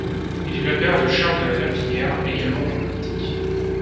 Il est le père de Charles de La Verpillière, également homme politique.